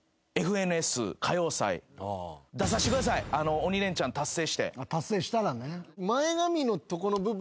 鬼レンチャン達成して。